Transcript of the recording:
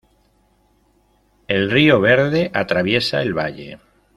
El río Verde atraviesa el valle.